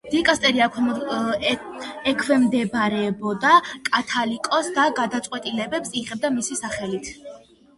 დიკასტერია ექვემდებარებოდა კათალიკოსს და გადაწყვეტილებებს იღებდა მისი სახელით.